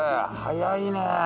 早いねえ。